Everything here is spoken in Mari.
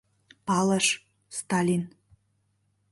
Палыш: Сталин.